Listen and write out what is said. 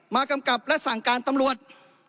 กำกับและสั่งการตำรวจ